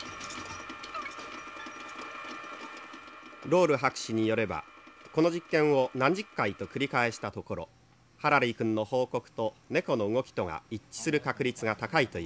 「ロール博士によればこの実験を何十回と繰り返したところハラリー君の報告と猫の動きとが一致する確率が高いというのです。